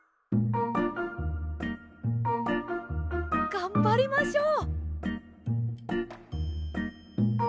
がんばりましょう！